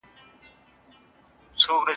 که زده کوونکي همکاري وکړي، ستونزي نه لویېږي.